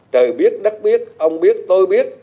trời biết đất biết ông biết tôi biết